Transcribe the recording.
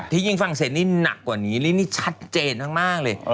ยิ่งฝรั่งเศสนี่หนักกว่านี้ลิ้นนี่ชัดเจนมากเลย